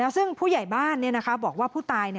ซึ่งผู้ใหญ่บ้านบอกว่าผู้ตาย